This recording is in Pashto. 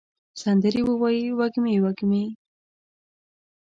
سندرې ووایې وږمې، وږمې